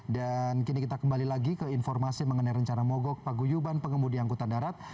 dan kini kita kembali lagi ke informasi mengenai rencana mogok paguyuban pengemudi angkutan darat